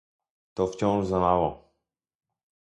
To wciąż za mało